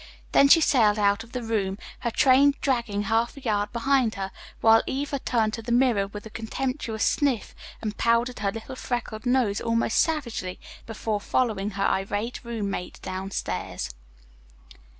Then she sailed out of the room, her train dragging half a yard behind her, while Eva turned to the mirror with a contemptuous sniff and powdered her little freckled nose almost savagely before following her irate roommate down stairs.